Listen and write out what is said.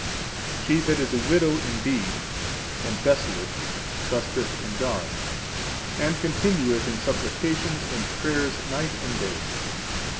She that is a widow indeed, and desolate, trusteth in God, and continueth in supplications and prayers night and day.